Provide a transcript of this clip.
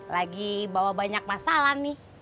lagi bawa banyak masalah nih